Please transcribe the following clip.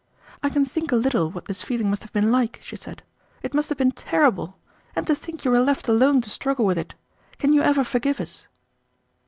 "I can think a little what this feeling must have been like," she said. "It must have been terrible. And to think you were left alone to struggle with it! Can you ever forgive us?"